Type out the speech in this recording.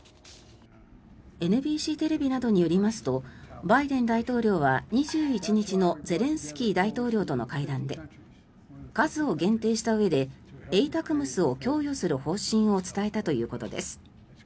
ＮＢＣテレビなどによりますとバイデン大統領は２１日のゼレンスキー大統領との会談で数を限定したうえでＡＴＡＣＭＳを供与する方針を伝えたということです。